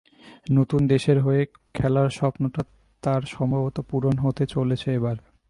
নতুন দেশের হয়ে খেলার স্বপ্নটা তাঁর সম্ভবত পূরণ হতে চলেছে এবার।